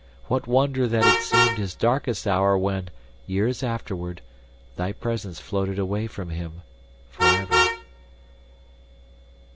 What wonder that it seemed his darkest hour when, years afterward, thy presence floated away from him forever.